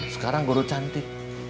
sekarang guru cantik